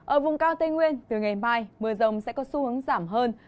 ở vùng cao tây nguyên từ ngày mai mưa rông sẽ có xu hướng giảm hơn